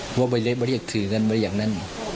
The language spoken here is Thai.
กระเป๋าเผินเร็จบัรยักษ์ถือนั่นบัรยังนั้น